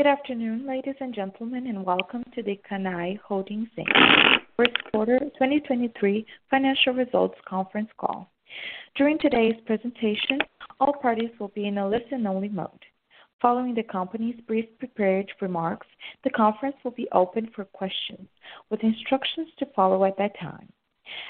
Good afternoon, ladies and gentlemen, and welcome to the Cannae Holdings, Inc. Q1 2023 financial results conference call. During today's presentation, all parties will be in a listen-only mode. Following the company's brief prepared remarks, the conference will be open for questions with instructions to follow at that time.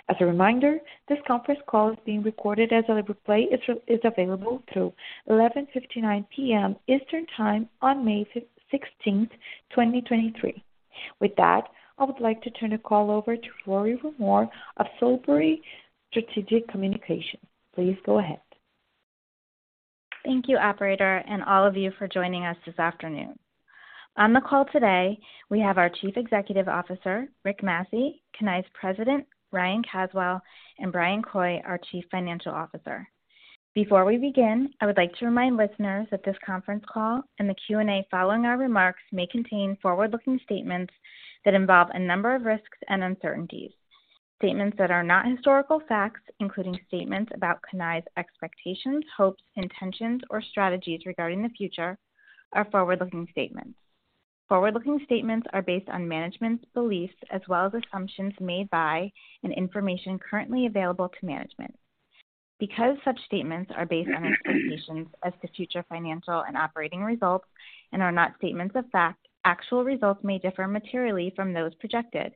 As a reminder, this conference call is being recorded as a replay is available through 11:59 P.M. Eastern time on May 16th, 2023. With that, I would like to turn the call over to Rory Rumore of Solebury Strategic Communications. Please go ahead. Thank you, operator, and all of you for joining us this afternoon. On the call today, we have our Chief Executive Officer, Rick Massey, Cannae's President, Ryan Caswell, and Bryan Coy, our Chief Financial Officer. Before we begin, I would like to remind listeners that this conference call and the Q&A following our remarks may contain forward-looking statements that involve a number of risks and uncertainties. Statements that are not historical facts, including statements about Cannae's expectations, hopes, intentions, or strategies regarding the future are forward-looking statements. Forward-looking statements are based on management's beliefs as well as assumptions made by and information currently available to management. Because such statements are based on expectations as to future financial and operating results and are not statements of fact, actual results may differ materially from those projected.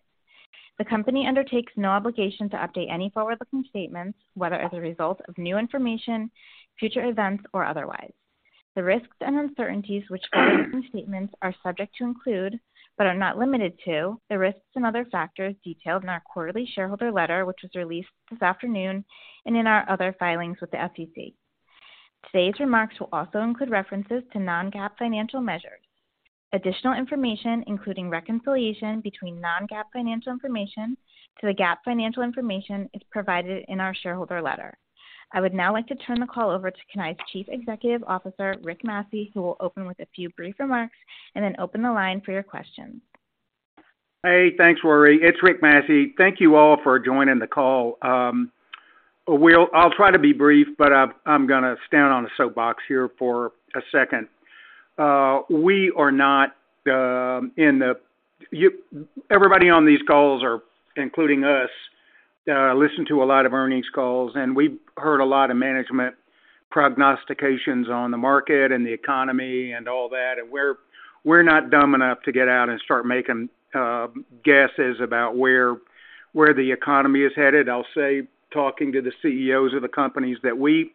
The company undertakes no obligation to update any forward-looking statements, whether as a result of new information, future events, or otherwise. The risks and uncertainties which Cannae's statements are subject to include, but are not limited to, the risks and other factors detailed in our quarterly shareholder letter, which was released this afternoon, and in our other filings with the SEC. Today's remarks will also include references to non-GAAP financial measures. Additional information, including reconciliation between non-GAAP financial information to the GAAP financial information, is provided in our shareholder letter. I would now like to turn the call over to Cannae's Chief Executive Officer, Rick Massey, who will open with a few brief remarks and then open the line for your questions. Hey, thanks, Rory. It's Rick Massey. Thank you all for joining the call. I'll try to be brief, but I'm gonna stand on a soapbox here for a second. We are not in the everybody on these calls or including us listen to a lot of earnings calls, and we've heard a lot of management prognostications on the market and the economy and all that. We're not dumb enough to get out and start making guesses about where the economy is headed. I'll say, talking to the CEOs of the companies that we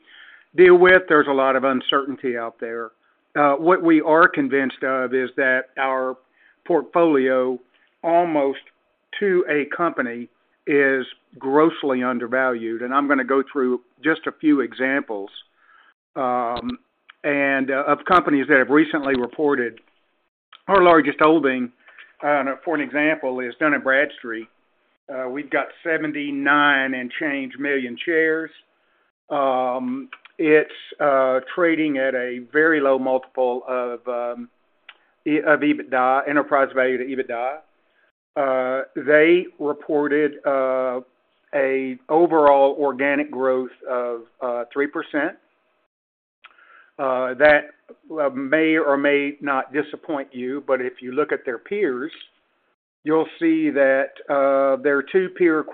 deal with, there's a lot of uncertainty out there. What we are convinced of is that our portfolio, almost to a company, is grossly undervalued. I'm gonna go through just a few examples and of companies that have recently reported. Our largest holding, for an example, is Dun & Bradstreet. We've got 79 and change million shares. It's trading at a very low multiple of EBITDA, enterprise value to EBITDA. They reported a overall organic growth of 3%, that may or may not disappoint you. If you look at their peers, you'll see that their two peers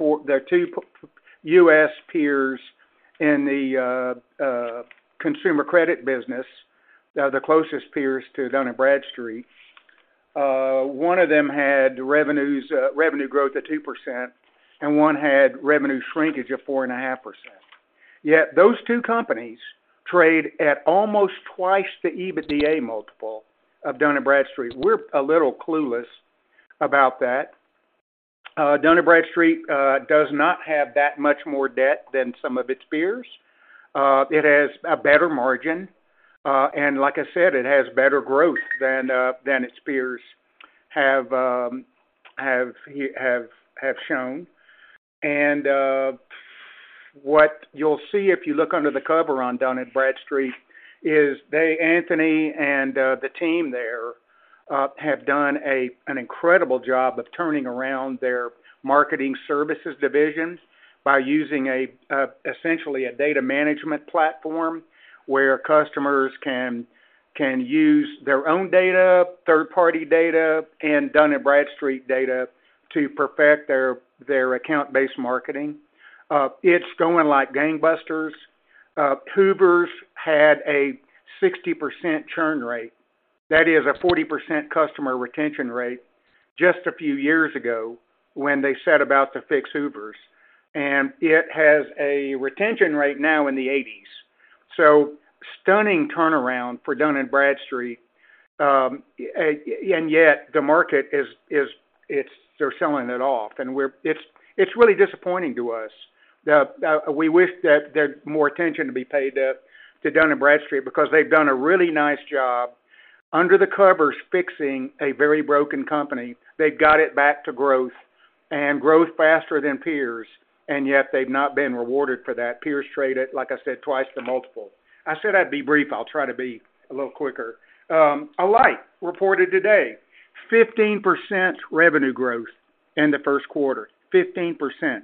in the consumer credit business, the closest peers to Dun & Bradstreet, one of them had revenues, revenue growth of 2%, and one had revenue shrinkage of 4.5%. Yet those two companies trade at almost twice the EBITDA multiple of Dun & Bradstreet. We're a little clueless about that. Dun & Bradstreet does not have that much more debt than some of its peers. It has a better margin, and like I said, it has better growth than its peers have shown. What you'll see if you look under the cover on Dun & Bradstreet is Anthony and the team there have done an incredible job of turning around their marketing services divisions by using essentially a data management platform where customers can use their own data, third-party data, and Dun & Bradstreet data to perfect their account-based marketing. It's going like gangbusters. Hoovers had a 60% churn rate. That is a 40% customer retention rate just a few years ago when they set about to fix Hoovers. It has a retention rate now in the eighties. Stunning turnaround for Dun & Bradstreet, yet the market is they're selling it off, and it's really disappointing to us. We wish that there more attention to be paid to Dun & Bradstreet because they've done a really nice job under the covers, fixing a very broken company. They've got it back to growth and growth faster than peers, and yet they've not been rewarded for that. Peers trade at, like I said, twice the multiple. I said I'd be brief. I'll try to be a little quicker. Alight reported today 15% revenue growth in the Q1. 15%.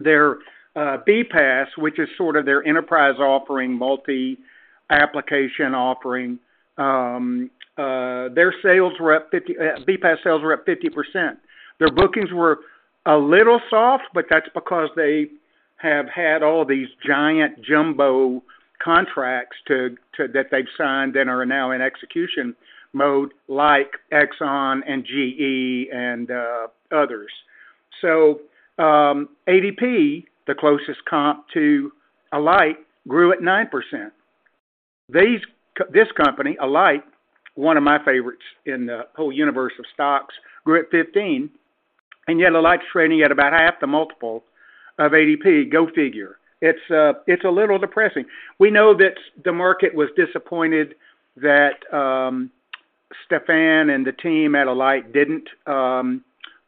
Their BPaaS, which is sort of their enterprise offering, multi-application offering, BPaaS sales were up 50%. Their bookings were a little soft. That's because they have had all these giant jumbo contracts that they've signed and are now in execution mode, like Exxon and GE and others. ADP, the closest comp to Alight, grew at 9%. This company, Alight, one of my favorites in the whole universe of stocks, grew at 15%. Yet Alight's trading at about half the multiple of ADP. Go figure. It's a little depressing. We know that the market was disappointed that Stephan and the team at Alight didn't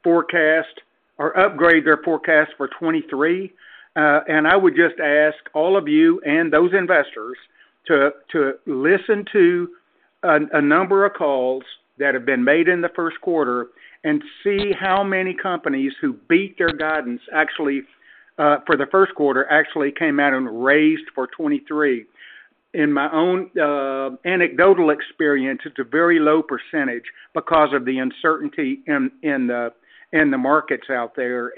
forecast or upgrade their forecast for 2023. I would just ask all of you and those investors to listen to a number of calls that have been made in the Q1 and see how many companies who beat their guidance actually for the Q1 actually came out and raised for 2023. In my own anecdotal experience, it's a very low percentage because of the uncertainty in the markets out there.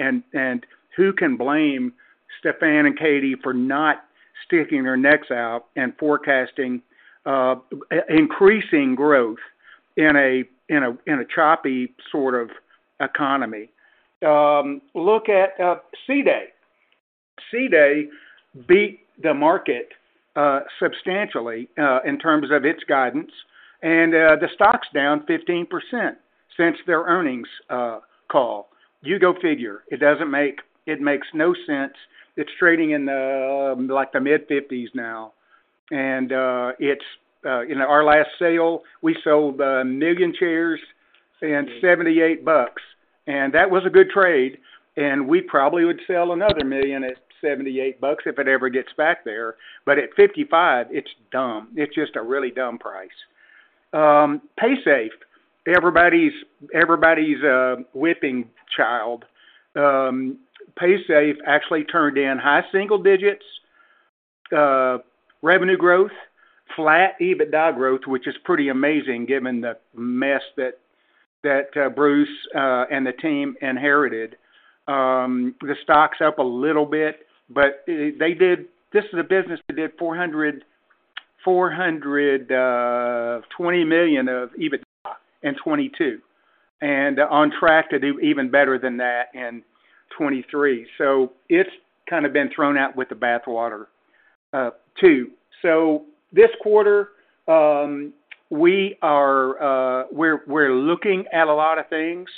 Who can blame Stefan and Katie for not sticking their necks out and forecasting increasing growth in a choppy sort of economy. Look at CDAY. CDAY beat the market substantially in terms of its guidance, and the stock's down 15% since their earnings call. You go figure. It makes no sense. It's trading in, like, the mid-50s now. It's in our last sale, we sold 1 million shares and $78, that was a good trade, and we probably would sell another 1 million at $78 if it ever gets back there. At 55, it's dumb. It's just a really dumb price. Paysafe, everybody's whipping child. Paysafe actually turned in high single digits revenue growth, flat EBITDA growth, which is pretty amazing given the mess that Bruce and the team inherited. The stock's up a little bit, but they did. This is a business that did $420 million of EBITDA in 2022, and on track to do even better than that in 2023. It's kind of been thrown out with the bathwater too. This quarter, we are, we're looking at a lot of things,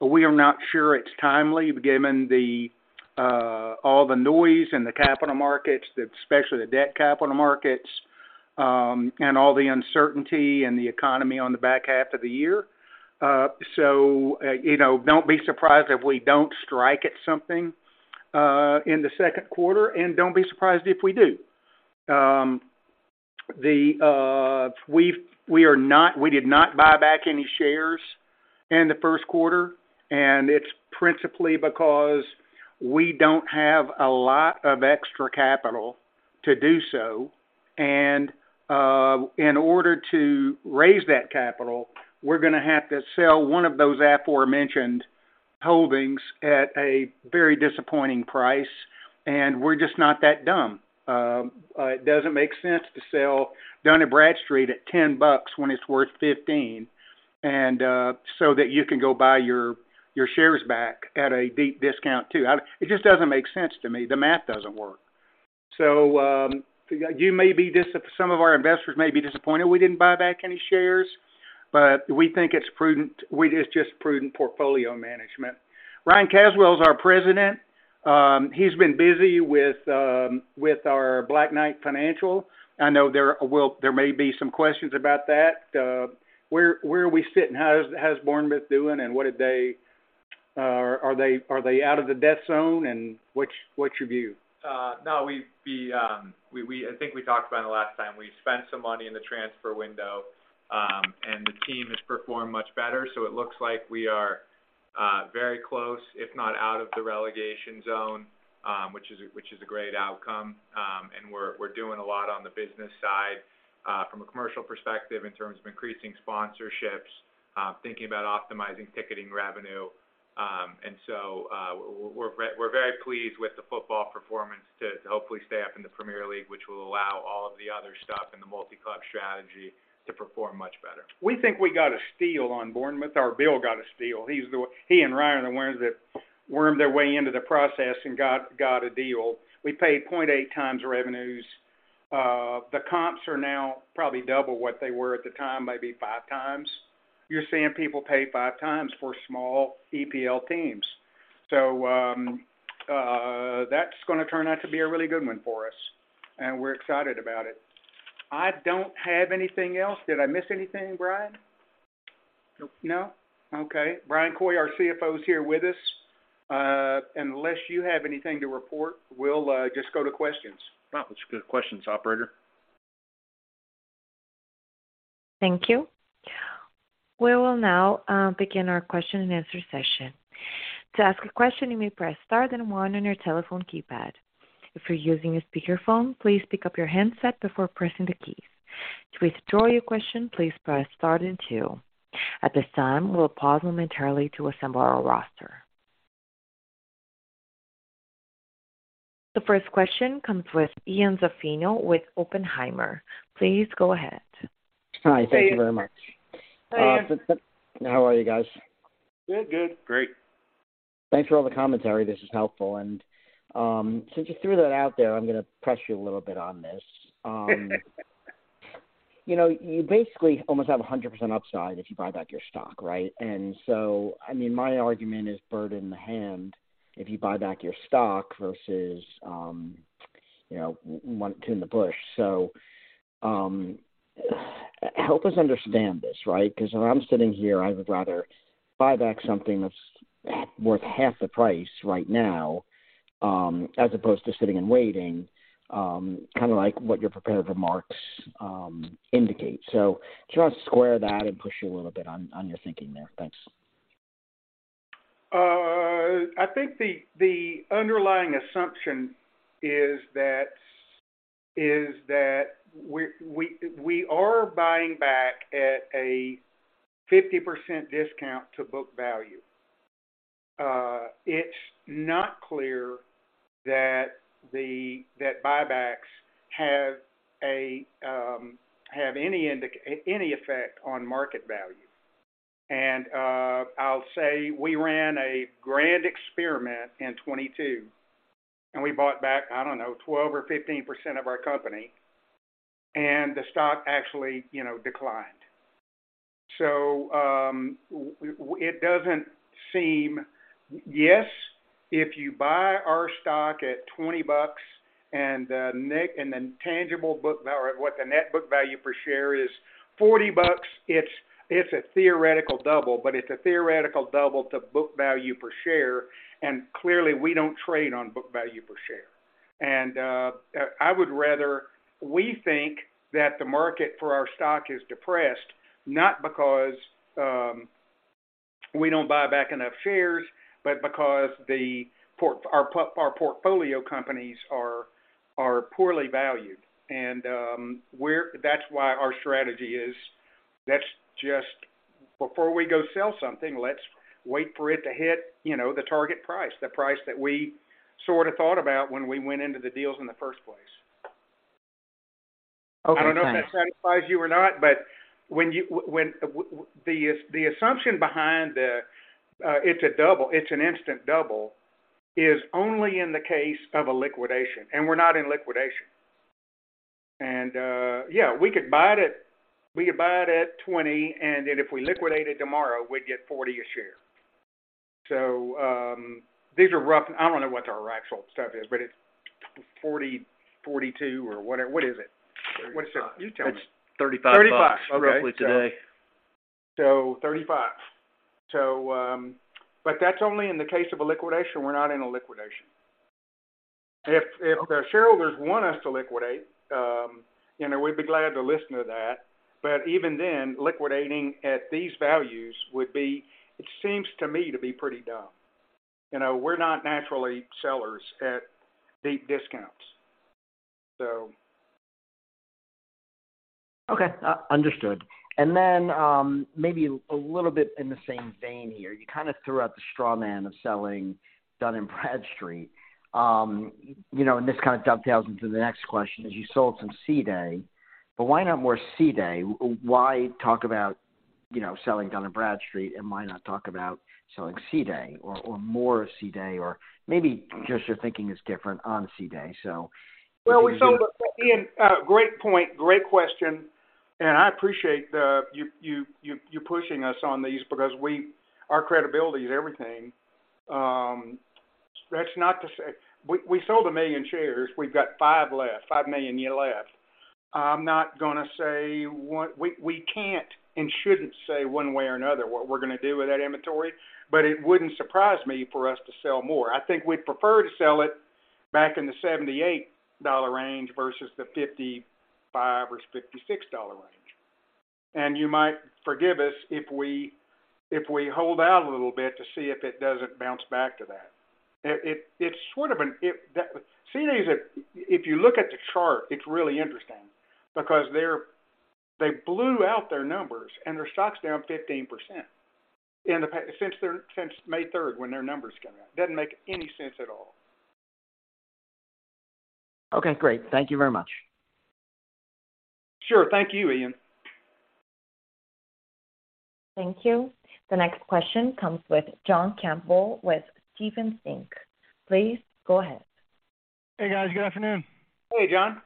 but we are not sure it's timely given the all the noise in the capital markets, the, especially the debt capital markets, and all the uncertainty in the economy on the back half of the year. You know, don't be surprised if we don't strike at something in the second quarter, and don't be surprised if we do. We are not, we did not buy back any shares in the Q1, and it's principally because we don't have a lot of extra capital to do so. In order to raise that capital, we're gonna have to sell one of those aforementioned holdings at a very disappointing price, and we're just not that dumb. It doesn't make sense to sell Dun & Bradstreet at $10 when it's worth $15 and so that you can go buy your shares back at a deep discount too. It just doesn't make sense to me. The math doesn't work. You may be some of our investors may be disappointed we didn't buy back any shares, but we think it's prudent. It's just prudent portfolio management. Ryan Caswell is our president. He's been busy with our Black Knight Financial. I know there may be some questions about that. Where are we sitting? How is, how is Bournemouth doing, and what did they? Are they out of the death zone, and what's your view? No. We've been, I think we talked about it the last time. We spent some money in the transfer window, and the team has performed much better. It looks like we are very close, if not out of the relegation zone, which is a great outcome. We're doing a lot on the business side, from a commercial perspective in terms of increasing sponsorships, thinking about optimizing ticketing revenue. We're very pleased with the football performance to hopefully stay up in the Premier League, which will allow all of the other stuff and the multi-club strategy to perform much better. We think we got a steal on Bournemouth, or Bill got a steal. He and Ryan are the ones that wormed their way into the process and got a deal. We paid 0.8x revenues. The comps are now probably 2x what they were at the time, maybe 5x. You're seeing people pay 5x for small EPL teams. That's gonna turn out to be a really good one for us, and we're excited about it. I don't have anything else. Did I miss anything, Bryan? Nope. No? Okay. Bryan Coy, our CFO, is here with us. Unless you have anything to report, we'll just go to questions. Oh, let's go to questions, operator. Thank you. We will now begin our question and answer session. To ask a question, you may press Star then One on your telephone keypad. If you're using a speakerphone, please pick up your handset before pressing the keys. To withdraw your question, please press star then two. At this time, we'll pause momentarily to assemble our roster. The first question comes with Ian Zaffino with Oppenheimer. Please go ahead. Hi, thank you very much. Hi. How are you guys? Good, good. Great. Thanks for all the commentary. This is helpful. Since you threw that out there, I'm gonna press you a little bit on this. You know, you basically almost have 100% upside if you buy back your stock, right? I mean, my argument is bird in the hand if you buy back your stock versus, you know, one... two in the bush. Help us understand this, right? 'Cause if I'm sitting here, I would rather buy back something that's worth half the price right now, as opposed to sitting and waiting, kind of like what your prepared remarks, indicate. Just square that and push you a little bit on your thinking there. Thanks. I think the underlying assumption is that we are buying back at a 50% discount to book value. It's not clear that buybacks have any effect on market value. I'll say we ran a grand experiment in 2022, and we bought back, I don't know, 12% or 15% of our company, and the stock actually, you know, declined. Yes, if you buy our stock at $20 and the tangible book or what the net book value per share is $40, it's a theoretical double, but it's a theoretical double to book value per share, and clearly, we don't trade on book value per share. I would rather we think that the market for our stock is depressed, not because we don't buy back enough shares, but because our portfolio companies are poorly valued. That's why our strategy is let's just before we go sell something, let's wait for it to hit, you know, the target price, the price that we sort of thought about when we went into the deals in the first place. Okay. I don't know if that satisfies you or not, but when you when the assumption behind the, it's an instant double is only in the case of a liquidation, and we're not in liquidation. Yeah, we could buy it at $20. If we liquidated tomorrow, we'd get $40 a share. These are rough. I don't know what our actual stuff is, but it's $40, $42 or whatever. What is it? Thirty-five. You tell me. It's $35. $35. Okay. roughly today. $35. That's only in the case of a liquidation. We're not in a liquidation. If the shareholders want us to liquidate, you know, we'd be glad to listen to that. Even then, liquidating at these values would be, it seems to me, to be pretty dumb. You know, we're not naturally sellers at deep discounts. Okay. Understood. Then, maybe a little bit in the same vein here. You kind of threw out the straw man of selling Dun & Bradstreet. You know, this kind of dovetails into the next question as you sold some CDAY. Why not more CDAY? Why talk about, you know, selling Dun & Bradstreet and why not talk about selling CDAY or more CDAY or maybe just your thinking is different on CDAY? Well, Ian, great point, great question, and I appreciate you pushing us on these because our credibility is everything. That's not to say. We sold 1 million shares. We've got 5 left, 5 million left. I'm not gonna say one. We can't and shouldn't say one way or another what we're gonna do with that inventory, but it wouldn't surprise me for us to sell more. I think we'd prefer to sell it back in the $78 range versus the $55 or $56 range. You might forgive us if we hold out a little bit to see if it doesn't bounce back to that. It's sort of an. That CDAY's a... If you look at the chart, it's really interesting because they blew out their numbers and their stock's down 15% since May 3rd when their numbers came out. Doesn't make any sense at all. Okay, great. Thank you very much. Sure. Thank you, Ian. Thank you. The next question comes with John Campbell with Stephens Inc. Please go ahead. Hey, guys. Good afternoon. Hey, John.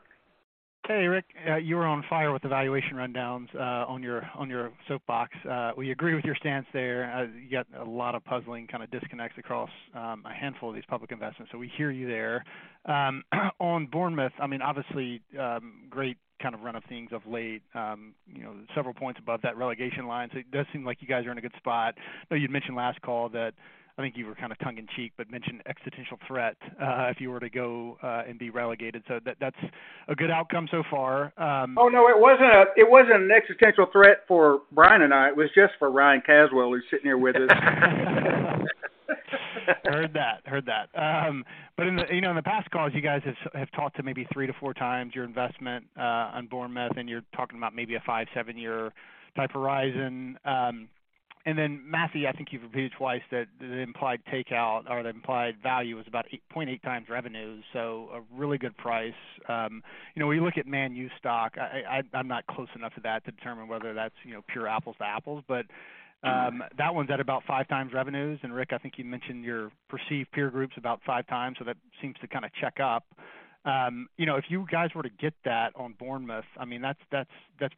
Hey, Rick. You were on fire with evaluation rundowns on your, on your soapbox. We agree with your stance there. You got a lot of puzzling kind of disconnects across a handful of these public investments, we hear you there. On Bournemouth, I mean, obviously, great kind of run of things of late, you know, several points above that relegation line. It does seem like you guys are in a good spot. You mentioned last call that, I think you were kind of tongue in cheek, but mentioned existential threat if you were to go and be relegated. That's a good outcome so far. Oh, no, it wasn't a, it wasn't an existential threat for Bryan and I. It was just for Ryan Caswell, who's sitting here with us. Heard that, heard that. In the, you know, in the past calls, you guys have talked to maybe 3-4 times your investment on Bournemouth, and you're talking about maybe a 5-7 year type horizon. Then Matthew, I think you've repeated twice that the implied takeout or the implied value is about 8.8x revenue, so a really good price. You know, when you look at Man U stock, I'm not close enough to that to determine whether that's, you know, pure apples to apples. That one's at about 5x revenues. Rick, I think you mentioned your perceived peer group's about 5x, so that seems to kind of check up. You know, if you guys were to get that on Bournemouth, I mean that's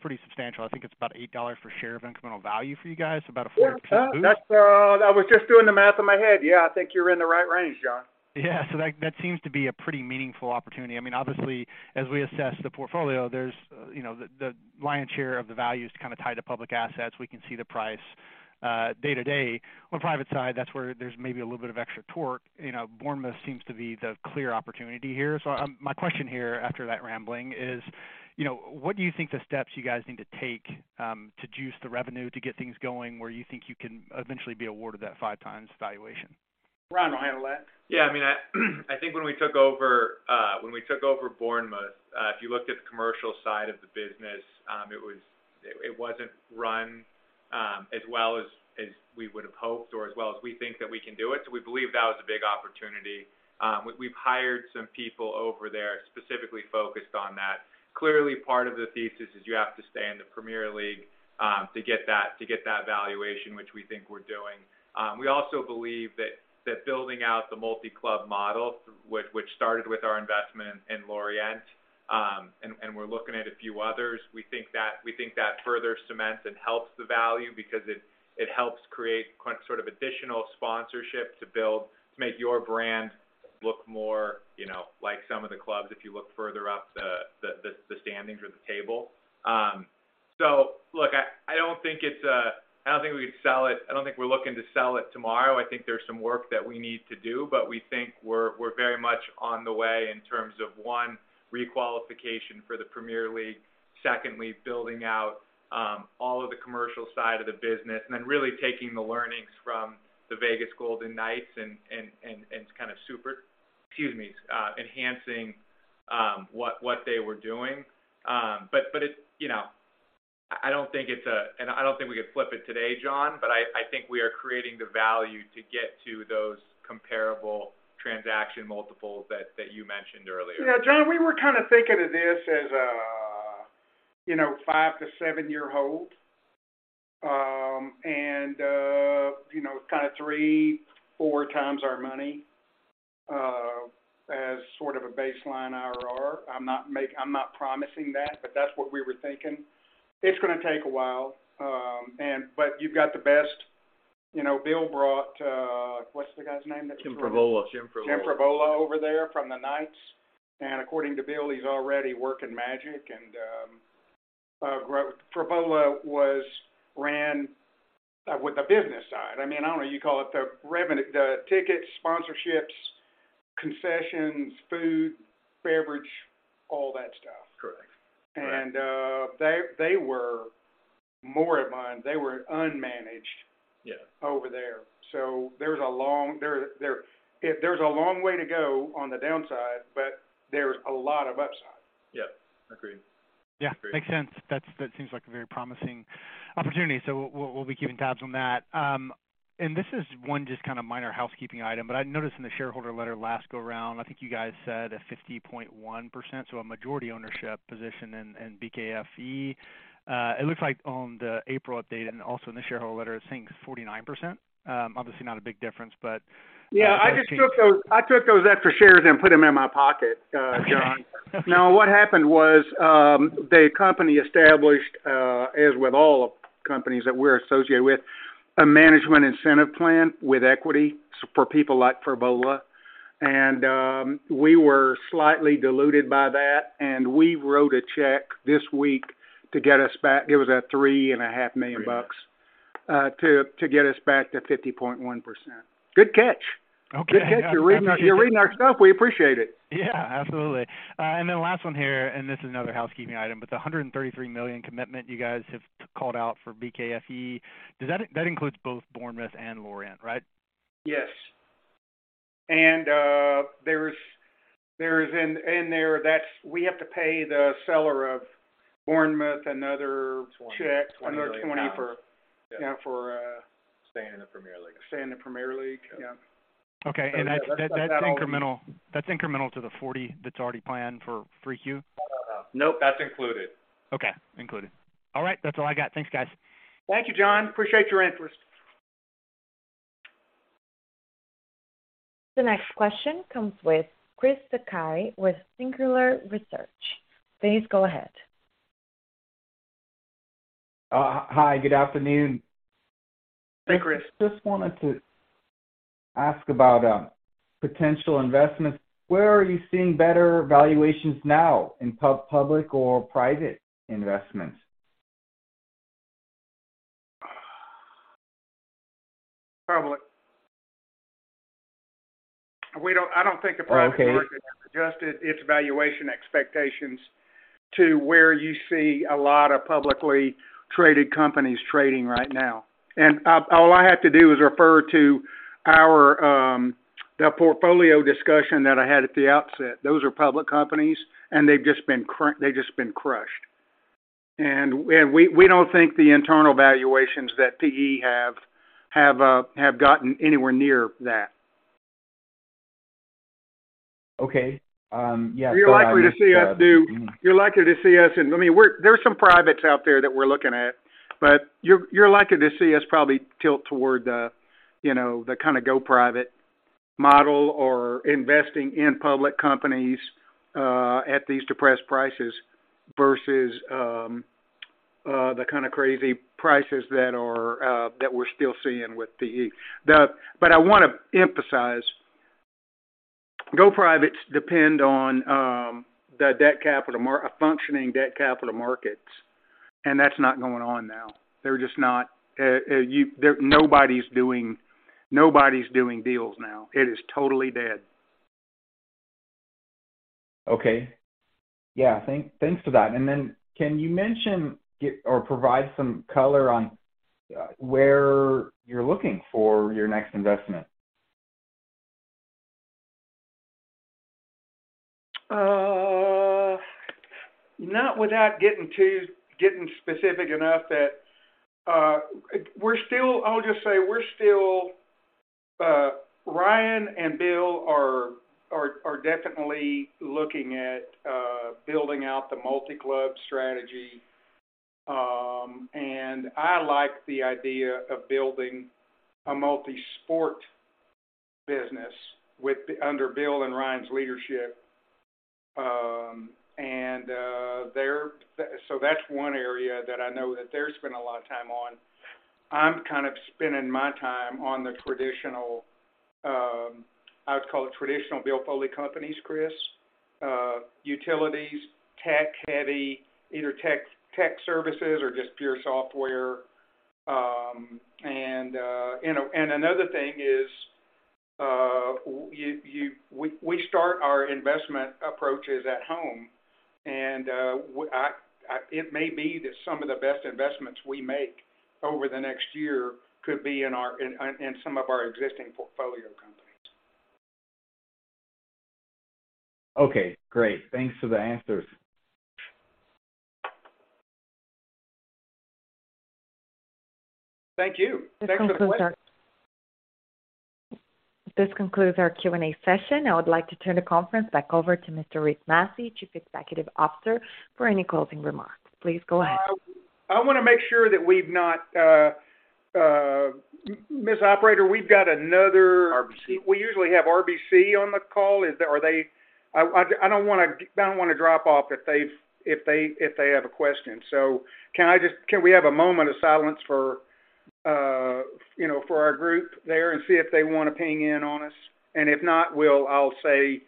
pretty substantial. I think it's about $8 per share of incremental value for you guys, about a 40% boost. That's. I was just doing the math in my head. I think you're in the right range, John. That, that seems to be a pretty meaningful opportunity. I mean, obviously, as we assess the portfolio, there's, you know, the lion's share of the value is kind of tied to public assets. We can see the price day-to-day. On private side, that's where there's maybe a little bit of extra torque. You know, Bournemouth seems to be the clear opportunity here. My question here after that rambling is, you know, what do you think the steps you guys need to take to juice the revenue to get things going where you think you can eventually be awarded that 5x valuation? Ryan will handle that. I mean, I think when we took over Bournemouth, if you looked at the commercial side of the business, it wasn't run as well as we would've hoped or as well as we think that we can do it. We believe that was a big opportunity. We've hired some people over there specifically focused on that. Clearly, part of the thesis is you have to stay in the Premier League to get that valuation, which we think we're doing. We also believe that building out the multi-club model, which started with our investment in Lorient, and we're looking at a few others, we think that further cements and helps the value because it helps create sort of additional sponsorship to make your brand look more, you know, like some of the clubs if you look further up the standings or the table. Look, I don't think we'd sell it. I don't think we're looking to sell it tomorrow. I think there's some work that we need to do, but we think we're very much on the way in terms of, one, requalification for the Premier League. Secondly, building out, all of the commercial side of the business, really taking the learnings from the Vegas Golden Knights and kind of enhancing what they were doing. It's, you know, I don't think it's, and I don't think we could flip it today, John, but I think we are creating the value to get to those comparable transaction multiples that you mentioned earlier. Yeah. John, we were kind of thinking of this as a, you know, 5-7 year hold. You know, kind of 3, 4 times our money as sort of a baseline IRR. I'm not promising that, but that's what we were thinking. It's gonna take a while. You've got the best... You know, Bill brought, what's the guy's name that just joined? Tim Frevola. Tim Frevola. Tim Frevola over there from the Knights. According to Bill, he's already working magic and Frevola ran with the business side. I mean, I don't know you call it the revenue, the tickets, sponsorships, concessions, food, beverage, all that stuff. Correct. Right. They were more of mine. They were. Yeah over there. There's a long way to go on the downside, but there's a lot of upside. Yeah. Agreed. Yeah. Makes sense. That seems like a very promising opportunity. We'll be keeping tabs on that. This is one just kind of minor housekeeping item, I noticed in the shareholder letter last go around, I think you guys said a 50.1%, so a majority ownership position in BKFE. It looks like on the April update and also in the shareholder letter, it's saying 49%. Obviously not a big difference. Yeah. I took those extra shares and put them in my pocket, John. No. What happened was, the company established, as with all companies that we're associated with, a management incentive plan with equity for people like Frevola. We were slightly diluted by that, and we wrote a check this week to get us back. It was at three and a half million dollars, to get us back to 50.1%. Good catch. Okay. Good catch. You're reading our stuff. We appreciate it. Yeah. Absolutely. Last one here, and this is another housekeeping item, the $133 million commitment you guys have called out for BKFE, does that include both Bournemouth and Lorient, right? Yes. We have to pay the seller of Bournemouth another- Twenty... check, another $20 for- GBP 20 million. Yeah, for staying in the Premier League. Staying in the Premier League. Yeah. Yeah. Okay. That's incremental to the $40 that's already planned for 3Q? No, no. Nope, that's included. Okay, included. All right. That's all I got. Thanks, guys. Thank you, John. Appreciate your interest. The next question comes with Chris Sakai with Singular Research. Please go ahead. Hi. Good afternoon. Hey, Chris. Just wanted to ask about potential investments. Where are you seeing better valuations now, in public or private investments? Public. I don't think the private market has adjusted its valuation expectations to where you see a lot of publicly traded companies trading right now. All I have to do is refer to our the portfolio discussion that I had at the outset. Those are public companies, and they've just been crushed. We don't think the internal valuations that PE have gotten anywhere near that. Okay. Yeah. Go ahead. You're likely to see us do... You're likely to see us. I mean, there are some privates out there that we're looking at, but you're likely to see us probably tilt toward the, you know, the kind of go private model or investing in public companies, at these depressed prices versus the kind of crazy prices that are that we're still seeing with PE. I wanna emphasize, go privates depend on a functioning debt capital markets, and that's not going on now. They're just not... Nobody's doing deals now. It is totally dead. Okay. Yeah. Thanks for that. Then can you mention or provide some color on where you're looking for your next investment? Not without getting too specific enough that we're still. I'll just say we're still Ryan and Bill are definitely looking at building out the multi-club strategy. I like the idea of building a multi-sport business under Bill and Ryan's leadership. They're. That's one area that I know that they're spending a lot of time on. I'm kind of spending my time on the traditional, I would call it traditional Bill Foley companies, Chris. Utilities, tech-heavy, either tech services or just pure software. You know, another thing is, we start our investment approaches at home, and I. It may be that some of the best investments we make over the next year could be in some of our existing portfolio companies. Okay, great. Thanks for the answers. Thank you. Thanks for the question. This concludes our Q&A session. I would like to turn the conference back over to Mr. Rick Massey, Chief Executive Officer, for any closing remarks. Please go ahead. I wanna make sure that we've not. Ms. Operator. RBC. We usually have RBC on the call. Are they? I don't wanna drop off if they've, if they, if they have a question. Can we have a moment of silence for, you know, for our group there and see if they wanna ping in on us? If not, I'll say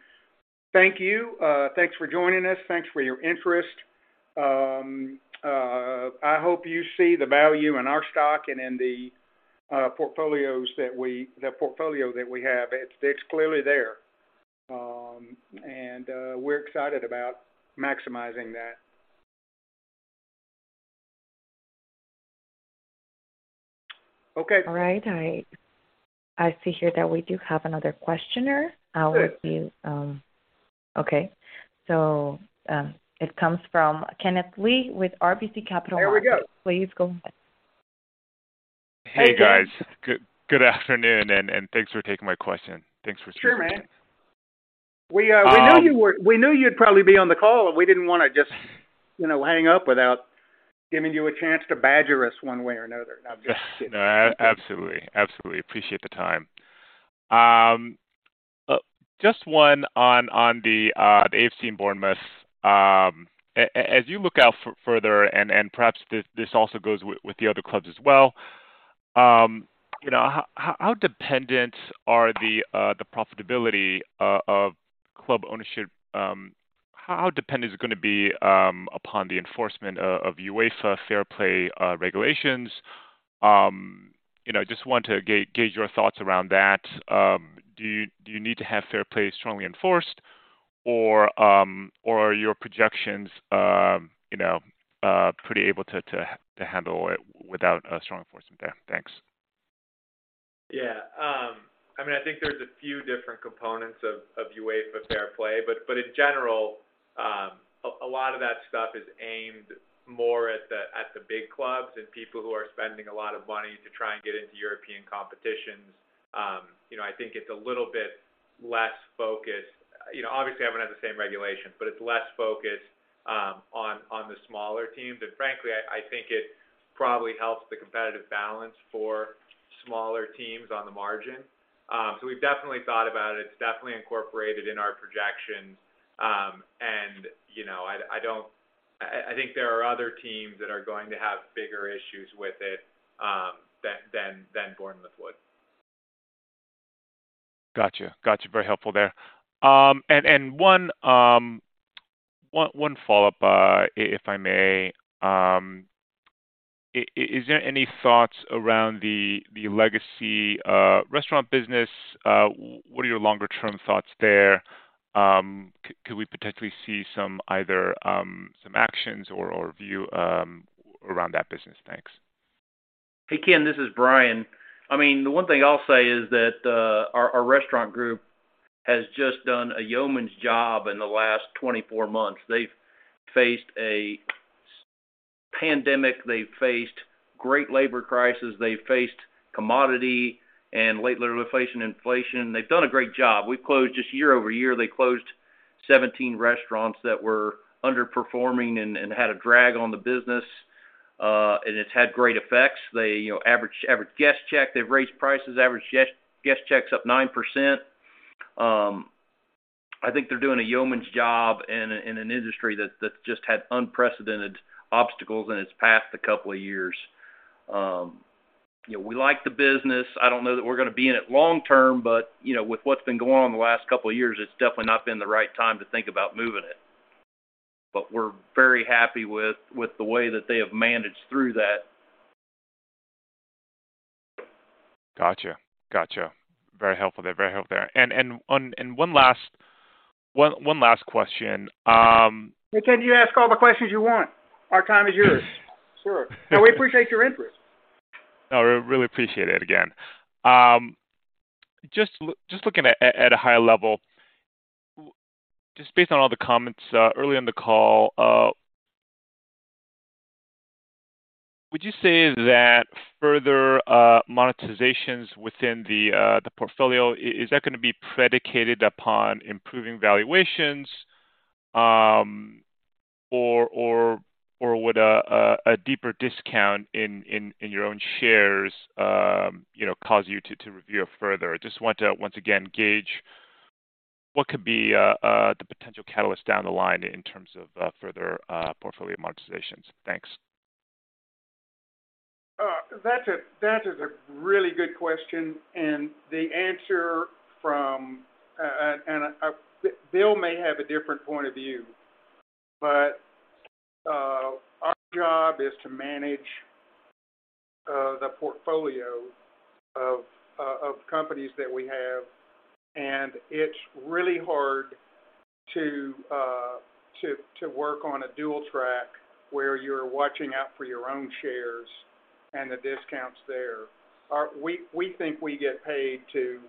thank you. Thanks for joining us. Thanks for your interest. I hope you see the value in our stock and in the portfolio that we have. It's clearly there. We're excited about maximizing that. Okay. All right. I see here that we do have another questioner. Good. I'll review. Okay. It comes from Kenneth Lee with RBC Capital Markets. There we go. Please go ahead. Hey, Ken. Hey, guys. Good afternoon, and thanks for taking my question. Thanks for. Sure, man. Um- We knew you'd probably be on the call. We didn't wanna just, you know, hang up without giving you a chance to badger us one way or another. No, I'm just kidding. No, absolutely. Absolutely. Appreciate the time. Just one on the AFC Bournemouth. As you look out further and perhaps this also goes with the other clubs as well, you know, how dependent are the profitability of club ownership, how dependent is it gonna be upon the enforcement of UEFA Fair Play regulations? You know, just want to gauge your thoughts around that. Do you, do you need to have Fair Play strongly enforced or are your projections, you know, pretty able to handle it without a strong enforcement there? Thanks. Yeah. I mean, I think there's a few different components of UEFA Fair Play. In general, a lot of that stuff is aimed more at the big clubs and people who are spending a lot of money to try and get into European competitions. You know, I think it's a little bit less focused. You know, obviously, having the same regulations, but it's less focused on the smaller teams. Frankly, I think it probably helps the competitive balance for smaller teams on the margin. We've definitely thought about it. It's definitely incorporated in our projections. You know, I think there are other teams that are going to have bigger issues with it than Bournemouth would. Gotcha. Very helpful there. One follow-up, if I may. Is there any thoughts around the legacy restaurant business? What are your longer-term thoughts there? Could we potentially see some either some actions or view around that business? Thanks. Hey, Ken, this is Bryan. I mean, the one thing I'll say is that, our restaurant group has just done a yeoman's job in the last 24 months. They've faced a pandemic, they've faced great labor crisis, they've faced commodity and lately inflation. They've done a great job. We've closed just year over year, they closed 17 restaurants that were underperforming and had a drag on the business, and it's had great effects. They, you know, average guest check, they've raised prices, average guest checks up 9%. I think they're doing a yeoman's job in an industry that's just had unprecedented obstacles in its past the couple of years. You know, we like the business. I don't know that we're gonna be in it long term, but you know, with what's been going on in the last couple of years, it's definitely not been the right time to think about moving it. We're very happy with the way that they have managed through that. Gotcha. Gotcha. Very helpful there. Very helpful there. One last question. Hey, Ken, you ask all the questions you want. Our time is yours. Sure. No, we appreciate your interest. No, we really appreciate it again. Just looking at a high level, just based on all the comments early in the call, would you say that further monetizations within the portfolio, is that gonna be predicated upon improving valuations, or would a deeper discount in your own shares, you know, cause you to review it further? I just want to once again gauge what could be the potential catalyst down the line in terms of further portfolio monetizations. Thanks. That's a, that is a really good question. The answer from, and Bill may have a different point of view, but our job is to manage the portfolio of companies that we have, and it's really hard to to work on a dual track where you're watching out for your own shares and the discounts there. We think we get paid to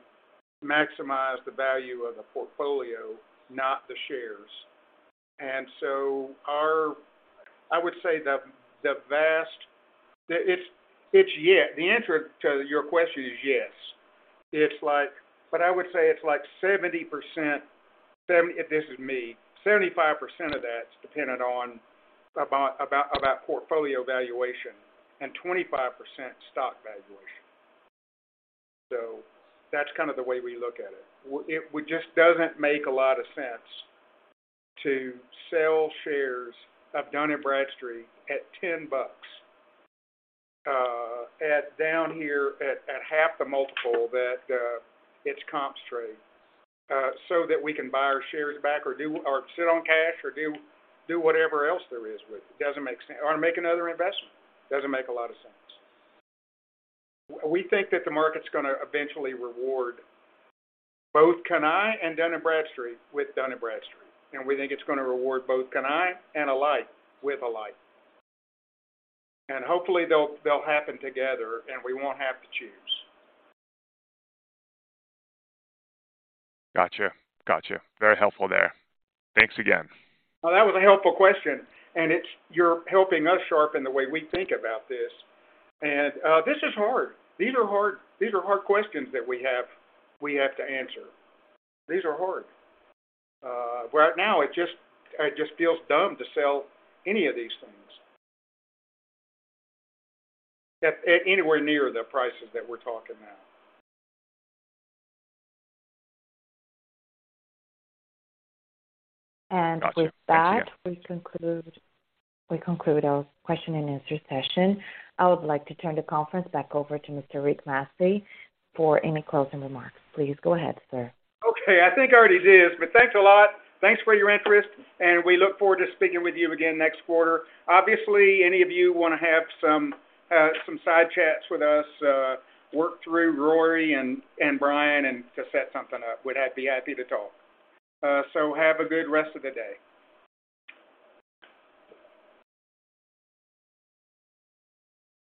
maximize the value of the portfolio, not the shares. I would say the answer to your question is yes. It's like I would say it's like 70%, this is me, 75% of that's dependent on about portfolio valuation and 25% stock valuation. That's kind of the way we look at it. It just doesn't make a lot of sense to sell shares of Dun & Bradstreet at $10 bucks, at down here at half the multiple that its comps trade, so that we can buy our shares back or sit on cash or do whatever else there is with it. It doesn't make sense or make another investment. It doesn't make a lot of sense. We think that the market's gonna eventually reward both Cannae and Dun & Bradstreet with Dun & Bradstreet, and we think it's gonna reward both Cannae and Alight with Alight. Hopefully they'll happen together, and we won't have to choose. Gotcha. Gotcha. Very helpful there. Thanks again. Well, that was a helpful question, and it's you're helping us sharpen the way we think about this. This is hard. These are hard questions that we have, we have to answer. These are hard. Right now, it just feels dumb to sell any of these things at anywhere near the prices that we're talking now. Got you. Thanks again. With that, we conclude our question and answer session. I would like to turn the conference back over to Mr. Rick Massey for any closing remarks. Please go ahead, sir. I think I already did. Thanks a lot. Thanks for your interest. We look forward to speaking with you again next quarter. Obviously, any of you wanna have some side chats with us, work through Rory and Brian and to set something up. We'd be happy to talk. Have a good rest of the day.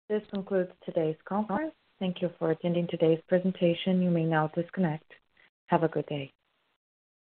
This concludes today's conference. Thank you for attending today's presentation. You may now disconnect. Have a good day.